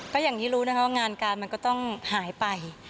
ก็อย่างที่รู้นะคะว่างานการมันก็ต้องหายไป